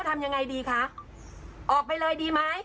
ทำยังไงดีคะออกไปเลยดีไหม